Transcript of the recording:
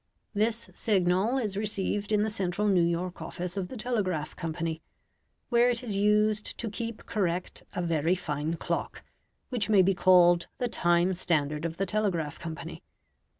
This signal is received in the central New York office of the telegraph company, where it is used to keep correct a very fine clock, which may be called the time standard of the telegraph company.